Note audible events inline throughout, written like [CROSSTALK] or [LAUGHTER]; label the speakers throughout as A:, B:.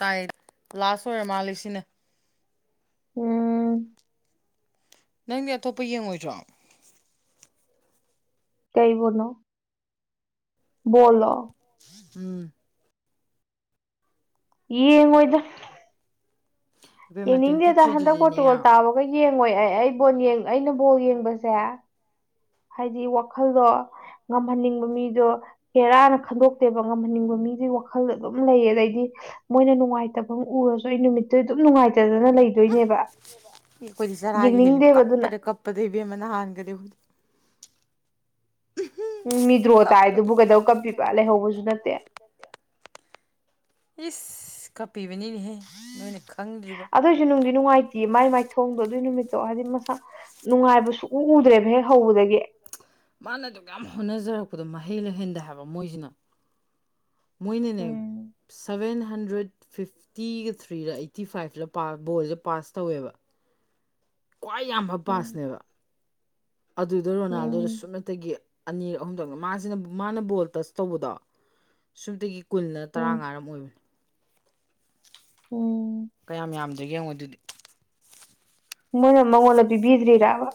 A: ꯇꯥꯏ ꯂꯥꯁ ꯑꯣꯏꯔ ꯃꯥꯜꯂꯤ ꯁꯤꯅꯦ
B: ꯎꯝ
A: ꯅꯪꯗꯤ ꯑꯇꯣꯞꯄ ꯌꯦꯡꯉꯣꯏꯗ꯭ꯔꯣ
B: ꯀꯩꯕꯣꯅꯣ ꯣꯂꯣ
A: ꯎꯝ
B: ꯌꯦ ꯌꯦꯡ ꯍꯣꯏꯗ ꯌꯦꯅꯤꯡꯗꯦꯗ ꯍꯟꯗ ꯀꯣꯠꯇꯀꯣꯜ ꯇꯥꯕꯒ ꯌꯦꯡ ꯪꯉꯣꯏ ꯑꯩ ꯑꯩ ꯕꯣꯜ ꯑꯩꯅ ꯕꯣꯜ ꯌꯦꯡꯕꯁꯦ ꯍꯥꯏꯗꯤ ꯋꯥꯈꯜꯗꯣ ꯉꯝꯍꯟꯅꯤꯡꯕ ꯃꯤꯗꯣ ꯍꯦꯔꯥꯅ ꯈꯟꯗꯣꯛꯇꯦꯕ ꯉꯝꯍꯟꯅꯤꯡꯕ ꯃꯤꯗꯨꯒꯤ ꯋꯥꯈꯜꯗꯣ ꯑꯗꯨꯝ ꯂꯩꯌꯦ ꯑꯗꯩꯗꯤ ꯃꯣꯏꯅ ꯅꯨꯡꯉꯥꯏꯇꯕ ꯑꯃ ꯎꯔꯁꯨ ꯑꯩ ꯅꯨꯃꯤꯠꯇꯨ ꯑꯗꯨꯝ ꯅꯨꯡꯉꯥꯏꯇ
A: ꯏ ꯑꯩꯈꯣꯏꯗꯤ ꯆꯔꯥꯒꯤ ꯍꯦꯜꯂꯤ ꯀꯞꯄꯗ ꯀꯞꯄꯗꯩ ꯏꯕꯦꯝꯃꯅꯍꯥꯟꯒꯗꯗꯤ
B: ꯎꯝ ꯃꯤꯗ꯭ꯔꯣ ꯇꯥꯏꯗꯨꯕꯨ ꯀꯩꯗꯧ ꯀꯞꯄꯤꯕ ꯂꯩꯍꯧꯕꯁꯨ ꯅꯠꯇꯦ
A: ꯏꯁ ꯀꯞꯄꯤꯕꯅꯤꯅꯦꯍꯦ ꯅꯣꯏꯅ
B: ꯑꯗꯨꯏꯁꯨ ꯅꯨꯡꯗꯤ ꯅꯨꯡꯉꯥꯏꯇꯦ ꯃꯥꯏ ꯃꯥꯏ ꯊꯣꯡꯗꯣ ꯑꯗꯨꯏ ꯅꯨꯃꯤꯠꯇꯣ ꯍꯥꯏꯗꯤ ꯃꯁꯥ ꯅꯨꯡꯉꯥꯏꯕꯁꯨ ꯎꯗ꯭ꯔꯦꯕ ꯍꯦꯛ ꯍꯧꯕꯗꯒꯤ
A: ꯃꯥꯅ ꯑꯗꯨ ꯌꯥꯝ ꯍꯣꯠꯅꯖꯔꯛꯄꯗꯣ ꯃꯍꯩ ꯂꯩꯍꯟꯗ ꯍꯥꯏꯕ ꯃꯣꯏꯁꯤꯅ ꯃꯣꯏꯅꯅꯦ ꯁꯕꯦꯟ ꯍꯟꯗ꯭ꯔꯦꯠ ꯐꯤꯐꯇꯤꯒ ꯊ꯭ꯔꯤꯗ ꯑꯩꯠꯇꯤ ꯐꯥꯏꯚꯇ ꯕꯣꯜꯁꯦ ꯄꯥꯁ ꯇꯧꯋꯦꯕ ꯈ꯭ꯋꯥꯏ ꯌꯥꯝꯕ ꯄꯥꯁꯅꯦꯕ ꯑꯗꯨꯗꯣ ꯔꯣꯅꯥꯜꯗꯣꯗ ꯁꯨꯞꯅꯇꯒꯤ ꯑꯅꯤꯔꯛ ꯑꯍꯨꯝꯗꯛ ꯃꯥꯁꯤꯅ ꯃꯥꯅ ꯕꯣꯜ ꯇꯁ ꯇꯧꯕꯗꯣ ꯁꯨꯞꯅꯇꯒꯤ ꯀꯨꯜꯟꯅ ꯇꯔꯥꯃꯉꯥꯔꯝ ꯑꯣꯏꯕꯅꯤ
B: ꯑꯣ
A: ꯀꯌꯥꯝ ꯌꯥꯝꯗꯒꯦ ꯌꯦꯡꯉꯣ ꯑꯗꯨꯗꯤ
B: ꯃꯣꯏꯅ ꯃꯉꯣꯟꯗ ꯄꯤꯕꯤꯗ꯭ꯔꯤꯔꯥꯕ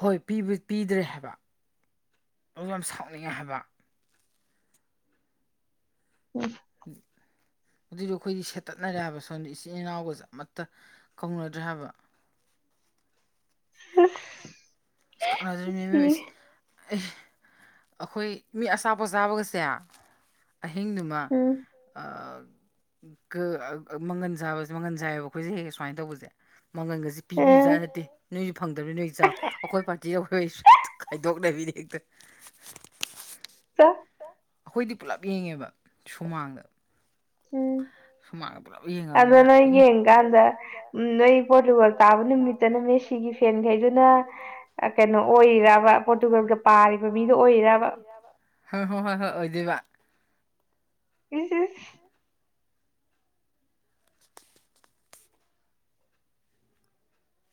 A: ꯍꯣꯏ ꯄꯤꯗ꯭ꯔꯦ ꯍꯥꯏꯕ ꯑꯗꯨ ꯌꯥꯝ ꯁꯥꯎꯅꯤꯡꯉꯦ ꯍꯥꯏꯕ
B: ꯎꯝ
A: ꯑꯗꯨꯏꯗꯣ ꯑꯩꯈꯣꯏꯗꯤ ꯁꯦꯠꯇꯠꯅꯔꯦ ꯍꯥꯏꯕ ꯁꯣꯝꯗ ꯏꯆꯤꯤꯟ ꯏꯅꯥꯎꯒꯁꯦ ꯑꯃꯠꯇ ꯀꯧꯅꯗ꯭ꯔꯦ ꯍꯥꯏꯕ ꯀꯖꯅꯦ [UNINTELLIGIBLE] ꯑꯦ ꯑꯩꯈꯣꯏ ꯃꯤ ꯑꯆꯥꯄꯣꯠ ꯆꯥꯕꯒꯁꯦ ꯑꯍꯤꯡꯗꯨꯃ ꯃꯪꯒꯜꯥꯕꯁꯦ ꯃꯪꯒꯟ ꯆꯥꯏꯑꯕ ꯑꯩꯈꯣꯏꯁꯦ ꯍꯦꯛꯦ ꯁꯨꯃꯥꯏꯅ ꯇꯧꯕꯁꯦ ꯃꯥꯡꯒꯟꯒꯁꯤꯦ ꯄꯤꯕꯤꯖꯥꯠ ꯅꯠꯇꯦ ꯅꯣꯏꯁꯨ ꯐꯪꯗꯕꯅꯤ ꯅꯣꯏ ꯆꯥꯛ ꯑꯩꯈꯣꯏ ꯄꯥꯟꯇ ꯑꯩꯈꯣꯏ ꯈꯥꯏꯗꯣꯛꯅꯕꯤꯅꯦ ꯍꯦꯛꯇ
B: ꯆ
A: ꯑꯩꯈꯣꯏꯗꯤ ꯄꯨꯂꯞ ꯌꯦꯡꯉꯦꯕ ꯁꯨꯃꯥꯡꯗ ꯥ [UNINTELLIGIBLE]
B: ꯑꯗꯣ ꯅꯣꯏ ꯌꯦꯡꯀꯥꯟꯗ ꯎ ꯅꯣꯏ ꯄꯣꯔꯇꯨꯒꯜ ꯇꯥꯕ ꯅꯨꯃꯤꯠꯇꯅ ꯃꯦꯁꯤꯒꯤ ꯐꯦꯟꯈꯩꯗꯨꯅ ꯀꯩꯅꯣ ꯑꯣꯏꯔꯔꯕ ꯄꯣꯔꯇꯨꯒꯜꯒ ꯄꯥꯔꯤꯕ ꯃꯤꯗꯨ ꯑꯣꯏꯔꯔꯕ ꯎꯝ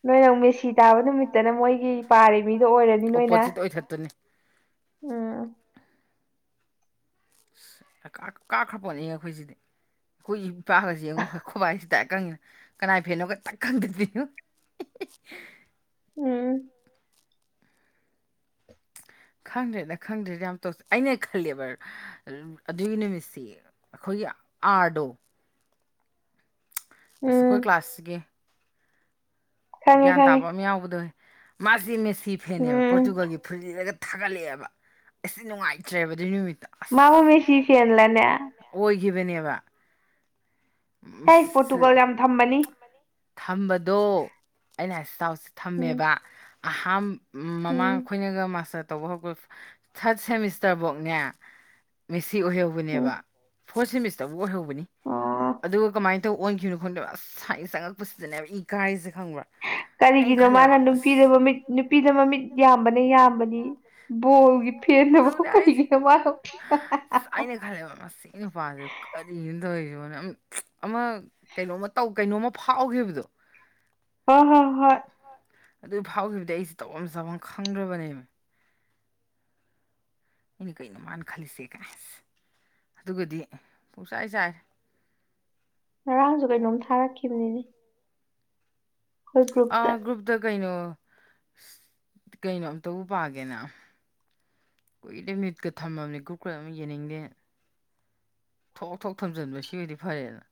B: ꯅꯣꯏꯅ ꯃꯦꯁꯤ ꯇꯥꯕ ꯅꯨꯃꯤꯠꯇꯅ ꯃꯣꯏꯒꯤ ꯄꯥꯔꯤ ꯃꯤꯗꯣ ꯑꯣꯏꯔꯅꯤ ꯅꯣꯏꯅ ꯎꯝ
A: ꯀꯥꯞꯈ꯭ꯔ ꯄꯣꯠꯅꯤꯉ ꯑꯩꯈꯣꯏꯁꯤꯗꯤ ꯑꯩꯈꯣꯏ ꯏꯄꯥꯒꯁꯤ ꯌꯦꯡꯉꯣ ꯈꯣꯏꯕꯥꯏꯁꯤ ꯇꯥꯏꯀꯪꯉꯤꯅ ꯀꯅꯥꯏ ꯐꯦꯅꯣ ꯈꯛꯇꯛ ꯈꯪꯗꯕꯤꯤꯅꯣ
B: ꯎꯝ
A: ꯈꯪꯗ꯭ꯔꯦꯗ ꯈꯪꯗ꯭ꯔꯦꯗ ꯌꯥꯝ ꯇꯧꯦ ꯑꯩꯅ ꯈꯜꯂꯦꯕ ꯑꯗꯨꯒꯤ ꯅꯨꯃꯤꯠꯁꯤ ꯑꯩꯈꯣꯏꯒꯤ ꯑꯥꯔꯗꯣ ꯑꯁ ꯑꯩꯈꯣꯏ ꯀ꯭ꯂꯥꯁꯁꯤꯒꯤ ꯒ꯭ꯌꯥꯟ ꯇꯥꯕ ꯑꯃ ꯌꯥꯎꯕꯗꯣ ꯃꯥꯖꯤ ꯃꯁ ꯁꯤ ꯐꯦꯅꯦꯕ ꯄꯣꯔꯇꯨꯒꯜꯒꯤ ꯐꯨꯔꯤꯜꯔꯒ ꯊꯥꯒꯠꯂꯛꯑꯦꯕ ꯑꯁꯤꯁ ꯅꯨꯡꯉꯥꯏꯇ꯭ꯔꯦꯕ ꯑꯗꯨꯏ ꯅꯨꯃꯤꯠꯇ
B: ꯃꯥꯃꯥ ꯃꯦꯁꯤ ꯐꯦꯟꯂꯅꯦ
A: ꯋꯥ ꯊꯝꯕꯗꯣ ꯑꯩꯅ ꯍꯥꯏꯁꯇꯥꯎꯁꯦ ꯊꯝꯃꯦꯕ ꯑꯍ ꯃꯃꯥꯡ ꯑꯩꯈꯣꯏꯅꯒ ꯃꯥꯁꯠ ꯇ ꯍꯧ ꯊꯥꯔꯠ ꯁꯦꯃꯤꯁꯇꯔꯐꯧꯅꯦ ꯁꯤ ꯑꯣꯏꯍꯧꯕꯅꯦꯕ ꯍꯣ ꯁꯤꯃꯤꯁꯇꯕꯨ ꯍꯧ ꯑꯃꯅꯤ ꯀꯃꯥꯏꯅ ꯇꯧ ꯑꯣꯟꯈꯤꯕꯅꯣ ꯈꯪꯗꯦꯣ ꯑꯁꯥꯏ ꯆꯪꯉꯛꯄꯁꯤꯗꯅꯦꯕ ꯏ ꯀꯥꯏꯔꯤꯁ
B: ꯀꯔꯤꯒꯤꯅꯣ ꯃꯥꯅ ꯅꯨꯄꯤꯗ ꯃꯃꯤꯠ ꯅꯨꯄꯤꯗ ꯃꯃꯤꯠ ꯌꯥꯝꯌꯥꯝꯕꯅꯦ ꯌꯥꯝꯕꯗꯤ
A: ꯑꯗꯨꯅꯦ ꯑꯩꯁꯦꯁ ꯑꯩꯅ ꯈꯜꯂꯦꯕ ꯃꯁꯤ ꯅꯨꯄꯥꯗꯨ ꯀꯔꯤꯅ ꯇꯧꯔꯤꯔꯤꯕꯣ ꯃꯌꯥꯝ ꯑꯃ ꯀꯩꯅꯣꯃ ꯇꯧ ꯀꯩꯅꯣꯝꯃ ꯐꯥꯎꯈꯤꯕꯗꯣ
B: ꯑ ꯍ ꯍꯣꯏ
A: ꯑꯗꯨꯏ ꯐꯥꯎꯈꯤꯕꯗꯤ ꯑꯩꯁꯦ ꯇꯧꯐꯝ ꯆꯥꯐꯝ ꯈꯪꯗ꯭ꯔꯕꯅꯦꯕ ꯑꯩꯅ ꯀꯩꯅꯣ ꯃꯥꯅ ꯈꯜꯂꯤꯁꯦ ꯀꯩꯅ ꯍꯥꯏꯁꯦ ꯑꯗꯨꯒꯗꯤ ꯄꯨꯡꯆꯥꯏ ꯆꯥꯏꯔꯦ
B: ꯉꯔꯥꯡꯁꯨ ꯀꯩꯅꯣꯝ ꯊꯥꯔꯛꯈꯤꯕꯅꯤꯅꯦ
A: ꯑ ꯭ꯔꯨꯨꯞꯗ ꯀꯩꯅꯣ ꯀꯩꯅꯣ ꯑꯝꯇꯧꯕ ꯄꯥꯒꯦꯅ ꯀꯨꯏꯗꯦ ꯃꯤꯨꯠꯀ ꯊꯝꯃꯕꯅꯦ ꯒ꯭ꯔꯨꯞꯀ꯭ꯔ ꯑꯃ ꯌꯦꯡꯅꯤꯡꯗꯦ ꯊꯣꯛꯑꯛ ꯊꯣꯛꯣꯛ ꯊꯝꯖꯤꯟꯕ ꯁꯤꯕꯨꯗꯤ ꯐꯔꯦꯅ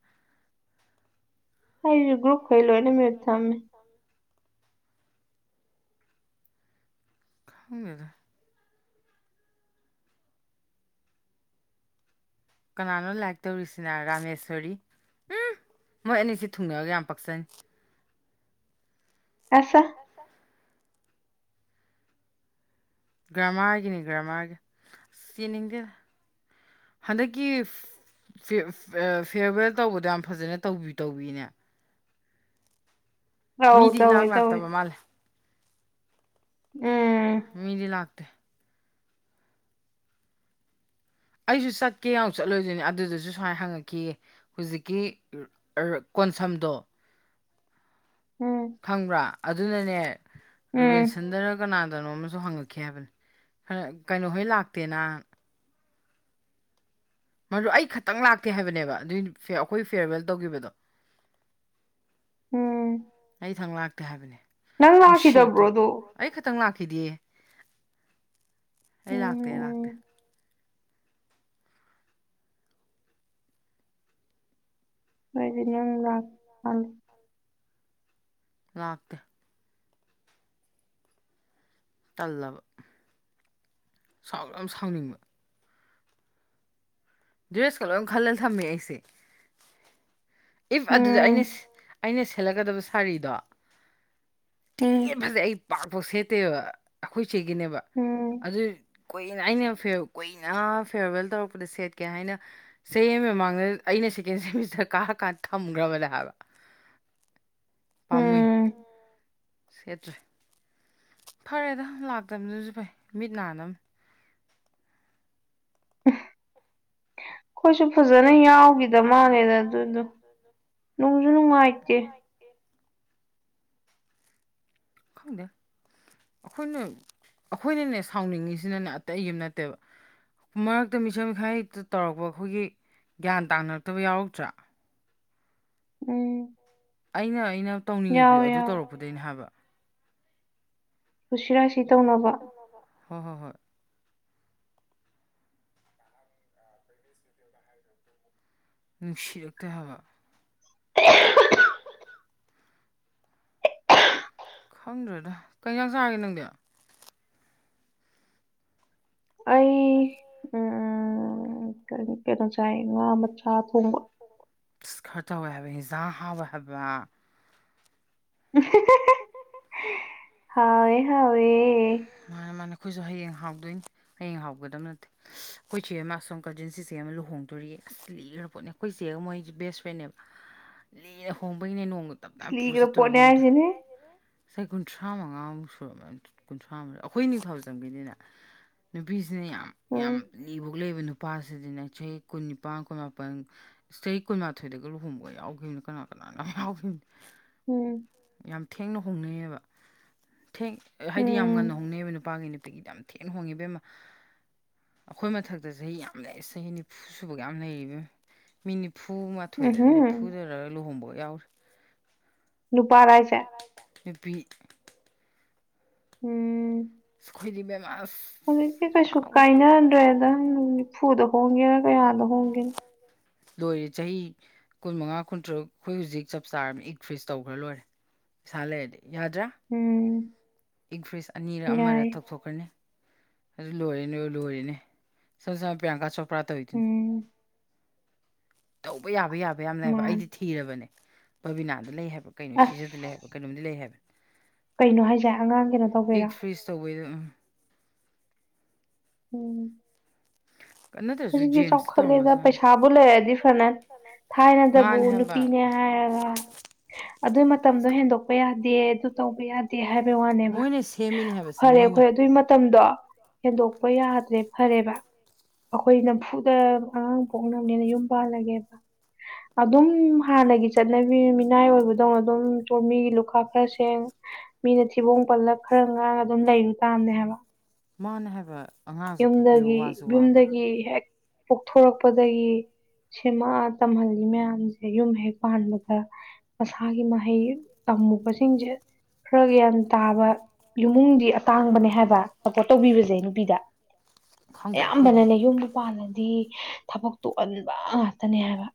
B: ꯑꯩ ꯭ꯔꯨꯨꯞ ꯈꯣꯏꯂꯣꯅꯦ ꯃ ꯊꯝꯃꯦ
A: ꯈꯒꯦꯗ ꯀꯅꯥꯅꯣ ꯂꯥꯏꯔꯤꯛ ꯇꯧꯔꯤꯁꯤꯅ ꯔꯥꯃꯦꯁꯣꯔꯤ ꯎꯝ ꯃꯣꯏ ꯑꯅꯤꯁꯤ ꯊꯨꯡꯅꯔꯒ ꯌꯥꯝ ꯄꯛꯆꯅꯤ
B: ꯑꯁ
A: ꯒ꯭ꯔꯃꯥꯒꯤꯅꯦ ꯒ꯭ꯔꯃꯥꯒꯤ ꯑꯁ ꯌꯦꯦꯟꯅꯤꯡꯗꯦ ꯍꯟꯗꯛꯀꯤ ꯐꯤꯌꯔꯋꯦꯜ ꯇꯧꯕꯗꯣ ꯌꯥꯝ ꯐꯖꯅ ꯇꯧꯕꯤ ꯇꯧꯕꯤꯅꯦ
B: ꯑꯧ ꯇꯧꯣꯏ ꯇꯧꯣꯏ
A: ꯑꯩꯁꯨ ꯆꯠꯀꯦ ꯌꯥ ꯆꯠꯂꯣꯏꯗꯣꯏꯅꯦ ꯑꯗꯨꯗꯨꯁꯨ ꯁꯨꯃꯥꯏꯅ ꯍꯪꯉꯛꯈꯤꯌꯦ ꯍꯧꯖꯤꯛꯀꯤ ꯀꯣꯟꯁꯝꯗꯣ ꯈꯪꯕ꯭ꯔꯥ ꯑꯗꯨꯅꯅꯦ ꯔꯨꯕꯤꯟꯁꯟꯗꯅ ꯀꯅꯥꯅ ꯀꯩꯅꯣꯝ ꯑꯃꯁꯨ ꯍꯪꯉꯛꯈꯤ ꯍꯥꯏꯕꯅꯤ ꯀꯩꯅꯣꯍꯣꯏ ꯂꯥꯛꯇꯦꯅ ꯃꯗꯨ ꯑꯩ ꯈꯛꯇꯪ ꯂꯥꯛꯇꯦ ꯍꯥꯏꯕꯅꯦꯕ ꯑꯗꯨꯏ ꯑꯩꯈꯣꯏ ꯐꯤꯔꯋꯦꯜ ꯇꯧꯈꯤꯕꯗꯣ ꯑꯩ ꯊꯪ ꯂꯥꯛꯇꯦ ꯍꯥꯏꯕꯅꯦ ꯅꯨꯡꯁꯤꯛꯇꯣ ꯑꯩ ꯈꯇꯪ ꯂꯥꯛꯈꯤꯗꯦ ꯑꯩ ꯂꯥꯛꯇꯦ ꯑꯩ ꯂꯥꯛꯇꯦ
B: ꯑꯣꯏꯗꯤꯅ ꯂꯥꯛꯂ
A: ꯉꯥꯛꯇꯦ ꯇꯜꯂꯕ ꯁꯥꯎꯅ ꯌꯥꯝ ꯁꯥꯎꯅꯤꯡꯕ ꯔꯤꯦꯁ ꯀꯜ ꯈꯜꯗꯜ ꯊꯝꯃꯤ ꯑꯁꯤ ꯏꯐ ꯑꯗꯨꯗ ꯑꯩꯅ ꯑꯩꯅ ꯁꯦꯦꯜꯂꯛꯀꯗꯕ ꯁꯥꯔꯤꯗꯣ ꯇ ꯐꯖꯦ ꯑꯩ ꯄꯄꯁꯦ ꯑꯩꯈꯣꯏ ꯁꯤꯒꯤꯅꯦꯕ ꯑꯗꯨ ꯀ ꯑꯩꯅ ꯀꯨꯏꯅ ꯐꯦꯌꯔꯋꯦꯜ ꯇꯧꯔꯛꯄꯗ ꯁꯦ ꯀꯩ ꯍꯥꯏꯅ ꯁꯦꯝ ꯃꯃꯥꯡꯗ ꯑꯩꯅ ꯁꯦꯀꯦꯟ ꯁꯦꯃꯤꯁꯇꯔ ꯀꯥꯔꯀꯥꯟꯗ ꯊꯝꯈ꯭ꯔꯕꯗ ꯍꯥꯏꯕ
B: ꯎꯝ
A: ꯁꯦꯠ꯭ꯔ ꯐꯔꯦꯗ ꯂꯥꯛꯇꯕꯗꯨꯁꯨ ꯐꯩ ꯃꯤꯠ ꯅꯥꯅꯕꯅꯦ
B: ꯑꯩꯈꯣꯏꯁꯨ ꯐꯖꯅ ꯌꯥꯎꯈꯤꯗ ꯃꯥꯜꯂꯦꯗ ꯑꯗꯨꯗꯣ ꯅꯨꯡꯁꯨ ꯅꯨꯡꯉꯥꯏꯇꯦ
A: ꯈꯪꯗꯦ ꯑꯩꯈꯣꯏꯅ ꯑꯩꯈꯣꯏꯅꯅꯦ ꯁꯥꯎꯅꯤꯡꯉꯤꯁꯤꯅꯅꯦ ꯑꯇꯩ ꯑꯩꯨꯝ ꯅꯠꯇꯦꯕ ꯃꯔꯛꯇ ꯃꯤꯁꯝ ꯃꯈꯥꯏ ꯇꯧꯔꯛꯄ ꯑꯩꯈꯣꯏꯒꯤ ꯒ꯭ꯌꯥꯟ ꯇꯥꯅꯔꯛꯇꯕ ꯌꯥꯎꯔꯛꯇ꯭ꯔꯥ
B: ꯎꯝ
A: ꯑꯩꯅ ꯑꯩꯅ ꯇꯧꯅꯤꯡꯉꯤꯕꯗꯣ ꯑꯗꯨ ꯇꯧꯔꯛꯄꯗꯩꯅꯤ ꯍꯥꯏꯕ
B: ꯈꯁꯤ ꯔꯁꯤ
A: ꯁꯤꯇꯧ ꯅꯕꯣ ꯍꯣꯏ ꯍꯣꯏ ꯍꯣꯏ ꯅꯨꯡꯁꯤꯔꯛꯀ ꯍꯥꯏꯕ ꯈꯪꯗ꯭ꯔꯗ ꯀꯩꯀ ꯆꯥꯒꯦ ꯅꯪꯗꯤ
B: ꯑꯩ ꯎꯝ ꯀ ꯀꯩꯅꯣ ꯆꯌꯦꯉ ꯃꯆꯥ ꯊꯣꯡꯒ
A: ꯈꯔ ꯇꯧꯋꯦ ꯍꯥꯏꯕ ꯍꯤꯟꯖꯥꯡ ꯍꯥꯞꯋꯦ ꯍꯥꯏꯕ
B: ꯎꯝ ꯍꯥꯎꯋꯦ ꯍꯥꯎꯋꯦ
A: ꯃ ꯃ ꯑꯩꯈꯣꯏꯁꯨ ꯍꯌꯦꯡ ꯍꯥꯎꯗꯣꯏꯅꯤ ꯍꯌꯦꯡ ꯍꯥꯎꯒꯗꯕ ꯅꯠꯇꯦ ꯑꯩꯈꯣꯏ ꯆꯦ ꯑꯃ ꯑꯁꯣꯝ ꯀꯖꯤꯟ ꯆꯆꯦ ꯑꯃ ꯂꯨꯍꯣꯡꯗꯣꯔꯤꯌꯦ ꯂꯤꯈ꯭ꯔ ꯄꯣꯠꯅꯦ ꯑꯩꯈꯣꯏ ꯏ ꯆꯦ ꯑꯃ ꯃꯣꯏꯁꯦ ꯕꯦꯁ ꯐ꯭ꯔꯦꯟꯅꯦꯕ ꯂꯤꯅ ꯍꯣꯡꯕꯒꯤꯅꯦ ꯅꯣꯡ
B: ꯁ ꯀꯗꯣ ꯄꯣꯅꯦꯦ ꯍꯥꯏꯁꯤꯦꯅꯦ
A: ꯏꯁꯩ ꯀꯨꯟꯊ꯭ꯔꯥ ꯃꯉꯥꯃꯨꯛ ꯁꯨꯔꯔꯕꯃꯦ ꯀꯨꯟꯊ꯭ꯔꯥ ꯈꯥꯕ ꯑꯩꯈꯣꯏ ꯏ ꯅꯤꯡ ꯐꯕ ꯆꯪꯕꯤꯅꯤꯅ ꯅꯨꯄꯤꯁꯦ ꯌꯥꯝ ꯌꯥꯝꯕ ꯄꯨꯂꯛꯏꯕ ꯅꯨꯄꯥꯁꯤꯗꯤꯅꯦ ꯆꯍꯤ ꯀꯨꯟ ꯅꯤꯄꯥꯟ ꯀꯨꯟꯃꯥꯄꯟ ꯆꯍꯤ ꯀꯨꯟꯃꯥꯊꯣꯏꯗꯒꯤꯒ ꯂꯨꯍꯣꯡꯕꯒ ꯌꯥꯎꯈꯤꯕꯅ ꯀꯅꯥ ꯀꯅꯥꯅ ꯌꯥꯎꯈꯤꯕꯅꯣ ꯌꯥꯝ ꯊꯦꯡꯅ ꯍꯣꯡꯅꯩꯌꯦꯕ ꯊꯦꯡ ꯍꯥꯏꯗꯤ ꯗꯤ ꯌꯥꯝ ꯉꯟꯅ ꯍꯣꯡꯅꯩꯑꯕ ꯅꯨꯄꯥꯒꯤ ꯅꯨꯄꯤꯒꯤꯗꯤ ꯌꯥꯝ ꯊꯦꯡꯅ ꯍꯣꯡꯉꯤꯕꯦꯝꯃ ꯑꯩꯈꯣꯏ ꯃꯊꯛꯇ ꯆꯍꯤ ꯌꯥꯝ ꯂꯩ ꯆꯍꯤ ꯅꯤꯐꯨ ꯁꯨꯕꯒ ꯌꯥꯝ ꯂꯩꯔꯤꯕ ꯃꯤ ꯅꯤꯐꯨ ꯃꯥꯊꯣꯏꯗ ꯅꯤꯐꯨꯗꯔ ꯂꯨꯍꯣꯡꯕ ꯑꯣꯏ ꯌꯥꯎ ꯅꯨꯄꯤ
B: ꯎꯝ
A: ꯈꯂꯤ
B: ꯍꯧꯖꯤꯛꯇꯤ ꯀꯩꯁꯨ ꯀꯥꯏꯅꯗ꯭ꯔꯦꯗꯪ ꯅꯤꯐꯨꯗ ꯍꯣꯡꯒꯦꯔ ꯀꯌꯥꯗ ꯍꯣꯡꯒꯦꯅꯣ
A: ꯂꯣꯏꯔꯦ ꯆꯍꯤ ꯀꯨꯟꯃꯉꯥ ꯀꯨꯟꯇ꯭ꯔꯨꯛ ꯑꯩꯈꯣꯏ ꯍꯧꯖꯤꯛ ꯆꯞ ꯆꯥꯔ ꯏꯛ ꯐ꯭ꯔꯤꯖ ꯇꯧꯈ꯭ꯔ ꯂꯣꯏꯔꯦ ꯏꯁꯥ ꯂꯩꯔꯗꯤ
B: ꯎꯝ
A: ꯏꯪꯈ꯭ꯔꯤꯁ ꯑꯅꯤꯔ ꯑꯃꯔ ꯇꯧꯊꯣꯛꯀꯅꯤ ꯑꯗꯨ ꯂꯣꯏꯔꯅꯦ ꯂꯣꯏꯔꯅꯦ ꯁꯝ ꯁꯝ ꯄ꯭ꯔꯤꯌꯥꯡꯀꯥ ꯆ ꯄ꯭ꯔꯇꯣꯏꯇꯤꯟ ꯇꯧꯕ ꯌꯥꯕ ꯌꯥꯕ ꯌꯥꯝ ꯂꯩꯕ ꯑꯩꯗꯤ ꯊꯤꯔꯕꯅꯦ ꯕꯕꯤꯅꯥꯗ ꯂꯩ ꯍꯥꯏꯕ ꯀꯩꯅꯣ ꯁꯤꯖꯤꯗ ꯂꯩ ꯍꯥꯏꯕ ꯀꯩꯅꯣꯝꯗꯤ ꯂꯩ ꯍꯥꯏꯕꯅꯦ
B: ꯀꯩꯅꯣ ꯍꯥꯏꯖꯦ ꯑꯉꯥꯡ ꯀꯩꯅꯣ ꯇꯧꯕꯦꯔ ꯎꯝ ꯍꯧꯖꯤꯛꯇꯤ ꯆꯥꯎꯈꯠꯂꯦꯗ ꯄꯩꯁꯥꯕꯨ ꯂꯩꯔꯗꯤ ꯐꯅ ꯊꯥꯏꯅꯗꯕꯨ ꯅꯨꯄꯤꯅꯦ ꯍꯥꯏꯔꯒ ꯑꯗꯨꯏ ꯃꯇꯝꯗꯣ ꯍꯦꯟꯗꯣꯛꯄ ꯌꯥꯗꯦ ꯑꯗꯨ ꯇꯧꯕ ꯌꯥꯗꯦ ꯍꯥꯏꯕ ꯋꯥꯅꯦꯕ ꯐꯔꯦ ꯑꯩꯈꯣꯏ ꯑꯗꯨꯒꯤ ꯃꯇꯝꯗꯣ ꯍꯦꯟꯗꯣꯛꯄ ꯌꯥꯗ꯭ꯔꯦ ꯐꯔꯦꯕ ꯑꯩꯈꯣꯏ ꯅꯝꯐꯨꯗ ꯑꯉꯥꯡ ꯄꯣꯛꯅꯕꯅꯦꯅ ꯌꯨꯝ ꯄꯥꯜꯂꯒꯦꯕ ꯑꯗꯨꯝ ꯍꯥꯟꯅꯒꯤ ꯆꯠꯅꯕꯤ ꯃꯤꯅꯥꯏ ꯑꯣꯏꯕꯗꯧꯅ ꯑꯗꯨꯝ ꯆ ꯃꯤꯒꯤ ꯂꯨꯈꯥ ꯈꯔ ꯁꯦꯡ ꯃꯤꯅ ꯊꯤꯕꯣꯡ ꯄꯜꯂꯞ ꯈꯔ ꯉꯥꯡꯉ ꯑꯗꯨꯝ ꯂꯩꯔꯨ ꯇꯥꯝꯅꯦ ꯍꯥꯏꯕ
A: ꯃꯥꯅꯦ ꯍꯥꯏꯕ
B: ꯌꯨꯝꯗꯒꯤ ꯌꯨꯝꯗꯒꯤ ꯍꯦꯛ ꯄꯣꯛꯊꯣꯔꯛꯄꯥ ꯄꯘꯒꯤ ꯁꯦꯝꯃꯥꯛꯄ ꯇꯝꯍꯜꯂꯤ ꯃꯌꯥꯝꯁꯦ ꯌꯨꯝ ꯍꯦꯛ ꯄꯥꯟꯕꯗ ꯃꯁꯥꯒꯤ ꯃꯍꯩ ꯇꯝꯃꯨꯕꯁꯤꯡꯁꯦ ꯈꯔꯒ ꯌꯥꯝ ꯇꯥꯕ ꯏꯃꯨꯡꯗꯤ ꯑꯇꯥꯡꯕꯅꯦ ꯍꯥꯏꯕ ꯁꯄꯣꯔꯠ ꯇꯧꯕꯤꯕꯁꯦ ꯅꯨꯄꯤꯗ ꯑꯌꯥꯝꯕꯅꯅꯦ ꯌꯨꯝꯗ ꯄꯥꯜꯂꯗꯤ ꯊꯕꯛꯇꯨꯣꯛꯍꯥꯟꯕ ꯉꯥꯛꯇꯅꯦ ꯍꯥꯏꯕ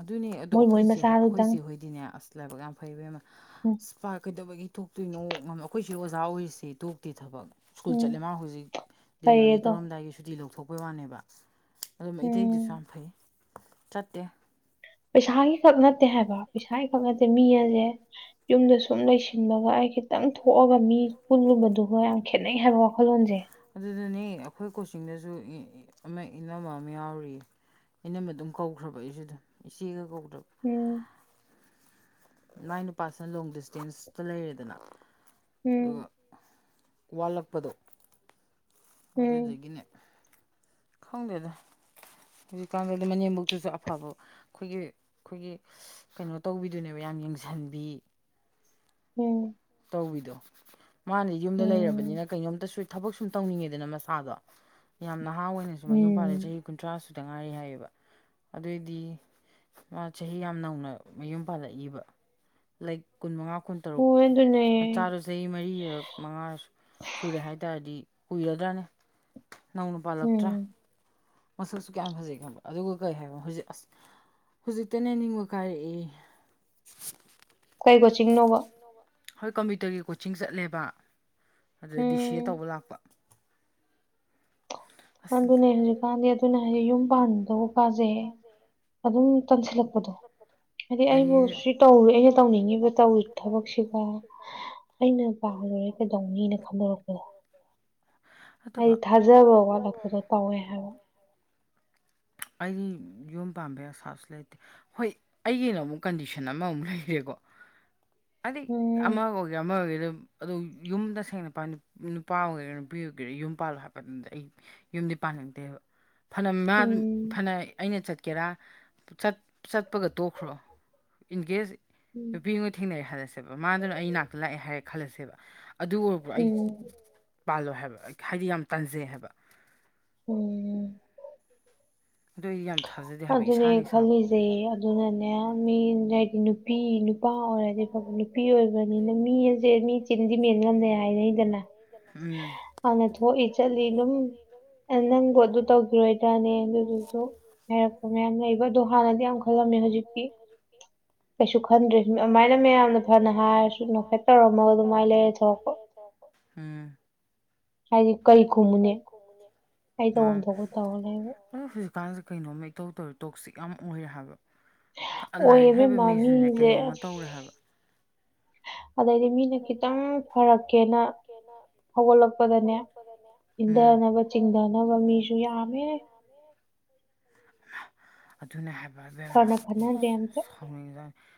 A: ꯑꯗꯨꯅꯦ ꯑꯗꯣ ꯑꯩꯈꯣꯏꯁꯦ ꯑꯩꯈꯣꯏꯁꯦ ꯍꯣꯏꯗꯤꯅꯦ ꯑꯁ ꯂꯥꯏꯕꯛ ꯌꯥꯝ ꯐꯩꯕ ꯏꯁ ꯀꯩꯗꯧꯕꯒꯤ ꯇꯣꯛꯇꯣꯏꯅꯣ ꯉ ꯑꯩꯈꯣꯏ ꯆꯦ ꯑꯣꯖꯥ ꯑꯣꯏꯁꯦ ꯇꯣꯛꯇꯦ ꯁ꯭ꯀꯨꯜ ꯆꯠꯂꯦ ꯃꯥ ꯍꯧꯖꯤꯛ ꯗꯦꯂꯤꯚꯔꯤ ꯇꯧꯔꯝꯗꯥꯏꯒꯤ ꯁꯨꯇꯤ ꯂꯧꯊꯣꯛ ꯑꯩꯈꯣꯏ ꯋꯥꯅꯦꯕ ꯑꯗꯨꯝ ꯃꯩꯇꯩꯗꯨꯁꯨ ꯌꯥꯝ ꯐꯩ ꯆꯠꯇꯦ
B: ꯄꯩꯁꯥꯒꯤ ꯈꯛ ꯅꯠꯇꯦ ꯍꯥꯏꯕ ꯄꯩꯁꯥꯒꯤ ꯈꯛ ꯅꯠꯇꯦ ꯃꯤ ꯑꯁꯦ ꯌꯨꯝꯗ ꯁꯨꯝ ꯂꯩꯁꯤꯟꯂꯒ ꯑꯩ ꯈꯤꯇꯪ ꯊꯣꯛꯑꯒ ꯃꯤ ꯄꯨꯜꯂꯨꯕꯗꯨꯒ ꯌꯥꯝ ꯈꯦꯠꯅꯩ ꯍꯥꯏꯕ ꯋꯥꯈꯜꯂꯣꯟꯁꯦ
A: ꯑꯗꯨꯗꯅꯦ ꯑꯩꯈꯣꯏ ꯀꯣꯆꯤꯡꯗꯁꯨ ꯑꯃ ꯏꯅꯝꯝꯕ ꯑꯃ ꯌꯥꯎꯔꯤꯌꯦ ꯏꯅꯃ ꯑꯗꯨꯝ ꯀꯧꯈ꯭ꯔꯕ ꯑꯩꯁꯨꯗ ꯏꯆꯦꯒ ꯀꯧ
B: ꯎꯝ
A: ꯃꯥꯏ ꯅꯨꯄꯥꯁꯤꯅ ꯂꯣꯡ ꯗꯤꯁꯇꯦꯟꯁꯇ ꯂꯩꯔꯦꯗꯅ
B: ꯎꯝ
A: ꯋꯥꯠꯂꯛꯄꯗꯣ ꯑꯗꯨꯗꯒꯤꯅꯦ ꯈꯪꯗꯦꯗ ꯍꯧꯖꯤꯛꯀꯥꯟꯗꯨꯗ ꯃꯅꯦꯝꯕꯛꯇꯨꯁꯨ ꯑꯐꯕ ꯑꯩꯈꯣꯏꯒꯤ ꯑꯩꯈꯣꯏꯒꯤ ꯀꯩꯅꯣ ꯇꯧꯕꯤꯗꯨꯣꯏꯅꯦꯕ ꯌꯥꯝ ꯌꯦꯡꯁꯤꯟꯕꯤ
B: ꯎꯝ
A: ꯇꯧꯕꯤꯗꯣ ꯃꯥꯅꯥ ꯌꯨꯝꯘꯥ ꯂꯩꯔꯕꯅꯤꯅꯥ ꯀꯩꯅꯣꯝ ꯇꯥꯁꯨ ꯊꯕꯛ ꯁꯨꯝ ꯇꯧꯅꯤꯡꯉꯦꯗꯅ ꯃꯁꯥꯗꯣ ꯌꯥꯝꯅ ꯊꯥ ꯑꯣꯏꯅꯁꯨꯌꯨꯝ ꯄꯥꯜꯂꯤ ꯆꯍꯤ ꯀꯨꯟꯊ꯭ꯔꯥꯁꯨ ꯈꯤꯇ ꯉꯥꯏꯔꯤꯦ ꯍꯥꯏꯌꯦꯕ ꯑꯗꯨꯑꯣꯏꯗꯤ ꯃꯥ ꯆꯍꯤ ꯌꯥꯝ ꯅꯧꯅ ꯃꯌꯨꯝ ꯄꯥꯜꯂꯛꯏꯕ ꯂꯩꯛ ꯀꯨꯟꯃꯉꯥ ꯀꯨꯟꯇꯔꯨꯛ ꯃꯆꯥꯗꯣ ꯆꯍꯤ ꯃꯔꯤꯔꯛ ꯃꯉꯥ ꯁꯨꯔꯦ ꯍꯥꯏ ꯇꯥꯔꯗꯤ ꯄꯨꯨꯔꯗꯅꯦ ꯅꯧꯅ ꯄꯥꯜꯂꯛꯇ꯭ꯔꯥ ꯃꯁꯛꯁꯨ ꯀꯌꯥꯝ ꯐꯖꯩ ꯈꯕ ꯑꯗꯨꯒ ꯀꯔꯤ ꯍꯥꯏꯅ ꯍꯧꯖꯤꯛ ꯑꯁ ꯍꯧꯖꯤꯛꯇꯅꯦ ꯅꯤꯡꯕ ꯀꯥꯏꯔꯛꯏ
B: ꯀꯩ ꯀꯣ ꯆꯤꯡꯅꯣꯧꯕ
A: ꯍꯣꯏ ꯀꯝꯄ꯭ꯌꯨꯇꯔꯒꯤ ꯀꯣꯆꯤꯡ ꯆꯠꯂꯦꯕ ꯑꯗꯩ ꯗꯤ ꯁꯤ ꯑꯦ ꯇꯧꯕ ꯂꯥꯛꯄ
B: ꯀ ꯑꯗꯨꯅꯤꯀꯥꯟ ꯑꯗꯨꯅ ꯌꯨꯝ ꯄꯥꯟꯗ ꯅꯨꯄꯥꯁꯦ ꯑꯗꯨꯝ ꯇꯟꯁꯤꯜꯂꯛꯄꯗꯣ ꯍꯥꯏꯗꯤ ꯑꯩꯕꯨ ꯁꯤ ꯇꯧꯔꯦ ꯑꯩꯅ ꯇꯧꯅꯤꯡꯉꯤꯕ ꯇꯧꯔꯤ ꯊꯕꯛꯁꯤꯒ ꯑꯩꯅ ꯄꯥꯗꯣꯔꯦ ꯀꯩꯗꯧꯅꯤꯅ ꯈꯟꯗꯣꯔꯛꯄꯗꯣ ꯍꯥꯏꯗꯤ ꯊꯥꯖꯕ ꯋꯥꯠꯂꯛꯄꯗꯣ ꯇꯧꯋꯦ ꯍꯥꯏꯕ
A: ꯑꯩ ꯌꯨꯝ ꯄꯥꯝꯕꯩ ꯑꯁꯥꯕꯁꯨ ꯂꯩꯇꯦ ꯍꯣꯏ ꯑꯩꯒꯤꯅ ꯑꯃꯨꯛ ꯀꯟꯗꯤꯁꯟ ꯑꯃꯃꯨꯛ ꯂꯩꯔꯦꯀꯣ ꯑꯗ ꯑꯃ ꯍꯒꯦ ꯑꯃ ꯍꯒꯦ ꯑꯗꯨꯣ ꯌꯨꯝꯗ ꯁꯦꯡꯅ ꯅꯨꯄꯥ ꯑꯣꯏꯒꯦꯔꯥ ꯅꯨꯄꯤ ꯑꯣꯏꯒꯦꯔꯥ ꯌꯨꯝ ꯄꯥꯜꯂꯣ ꯍꯥꯏꯄ ꯃꯇꯝꯗ ꯑꯩ ꯌꯨꯝꯗꯤ ꯄꯥꯅꯤꯡꯗꯦꯕ ꯐꯅꯝ ꯃꯥ ꯐꯅ ꯑꯩꯅ ꯆꯠꯀꯦ ꯀꯦꯔꯥ ꯆꯠ ꯆꯠ ꯍꯥꯞꯄꯒ ꯇꯣꯛꯈ꯭ꯔꯣ ꯏꯟ ꯀꯦꯁ ꯅꯨꯄꯤꯒ ꯊꯦꯡꯅꯔꯦ ꯍꯜꯂꯁꯦꯕ ꯃꯥꯗꯨꯅ ꯑꯩ ꯅꯥꯛꯇ ꯂꯥꯛꯑꯦ ꯍꯥꯏꯔꯛꯦ ꯈꯜꯂꯁꯦꯕ ꯑꯗꯨ ꯑꯣꯏꯔꯕ ꯑꯩ ꯄꯥꯜꯂꯣ ꯍꯥꯏꯕ ꯍꯥꯏꯗꯤ ꯌꯥꯝ ꯇꯟꯖꯩ ꯍꯥꯏꯕ
B: ꯎꯝ ꯑꯗꯨꯅꯦ ꯈꯜꯂꯤꯁꯦ ꯑꯗꯨꯅꯅꯦ ꯃꯤ ꯍꯥꯏꯗꯤ ꯅꯨꯄꯤ ꯅꯨꯄꯥ ꯑꯣꯏꯔ ꯍꯥꯏꯗꯤ ꯅꯨꯄꯤ ꯑꯣꯏ ꯅꯤꯅ ꯃꯤ ꯑꯁꯦ ꯃꯤ ꯆꯤꯟꯗꯤ ꯃꯦꯟꯂꯝꯃꯦ ꯍꯥꯏꯅꯩꯗꯅ ꯍꯥꯟꯅ ꯊꯣꯛꯏ ꯆꯠꯂꯤ ꯑꯗꯨꯝ ꯅꯪ ꯄꯣꯠꯇ ꯇꯧꯈꯤꯔꯣꯏꯗ꯭ꯔꯥꯅꯦ ꯑꯗꯨꯗꯨꯁꯨ ꯍꯥꯏꯔꯛꯄ ꯃꯌꯥꯝ ꯂꯩꯕ ꯑꯗꯣ ꯍꯥꯟꯅꯗꯤ ꯌꯥꯝ ꯈꯜꯂꯝꯃꯦ ꯍꯧꯖꯤꯛꯇꯤ ꯀꯩꯁꯨ ꯈꯟꯗ꯭ꯔꯦ ꯑꯗꯨꯃꯥꯏꯅ ꯃꯌꯥꯝꯅ ꯐꯅ ꯍꯥꯏꯔꯁꯨ
A: ꯀꯦꯠꯇ ꯔꯝꯕ ꯃꯗꯨꯃ ꯂ ꯆꯀ ꯍꯧꯖꯤꯛꯀꯥꯟꯁꯦ ꯀꯩꯅꯣꯝꯃ ꯏꯇꯧ ꯇꯧꯔꯤ ꯇꯣꯛꯁꯤꯛ ꯌꯥꯝ ꯎꯔꯦ ꯍꯥꯏꯕ ꯂꯥꯏꯔꯤꯛ ꯍꯩꯕ ꯃꯤꯁꯤꯅꯦ ꯀꯩꯅꯣꯝꯃ ꯇꯧꯔꯦ ꯍꯥꯏꯕ
B: ꯑꯗꯩꯗꯤ ꯃꯤꯅ ꯈꯤꯇꯪ ꯐꯔꯛ
A: ꯔꯛꯀꯦꯅ ꯍꯧꯒꯠꯂꯛꯄꯗꯅꯦ ꯏꯊꯅꯕ ꯆꯤꯡꯊꯅꯕ ꯃꯤꯁꯨ ꯌꯥꯝꯃꯦ ꯑꯗꯨꯅ ꯍꯥꯏ ꯖ ꯁꯪꯅꯤꯖ